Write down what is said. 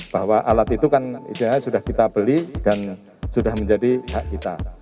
bahwa alat itu kan idealnya sudah kita beli dan sudah menjadi hak kita